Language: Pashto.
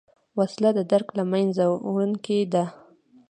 وسله د درک له منځه وړونکې ده